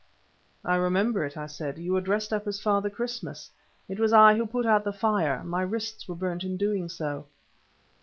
"I remember it," I said. "You were dressed up as Father Christmas. It was I who put out the fire; my wrists were burnt in doing so."